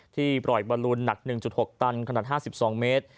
ที่ปล่อยบอลลูนหนัก๑๖ตันขนาด๕๒เมตร